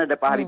ada pak harim